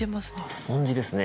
スポンジですね。